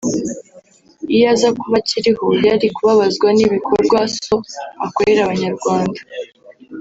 iyo aza kuba akiriho yari kubabazwa n’ibikorwa so akorera Abanyarwanda”